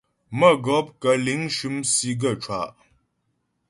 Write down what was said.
Mə́gɔp kə̂ liŋ shʉm sì gaə́ cwâ'a.